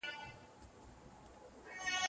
پردۍ لوبه، پردی چال، پردی سطرنج دی